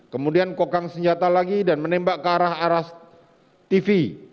kemudian kokang senjata lagi dan menembak ke arah arah tv